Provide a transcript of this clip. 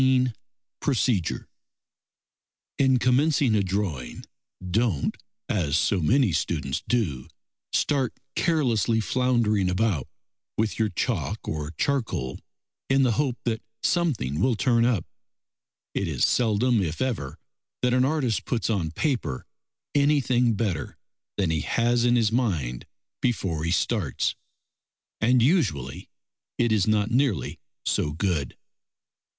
XIX PROCEDURE In commencing a drawing, don't, as so many students do, start carelessly floundering about with your chalk or charcoal in the hope that something will turn up. It is seldom if ever that an artist puts on paper anything better than he has in his mind before he starts, and usually it is not nearly so good.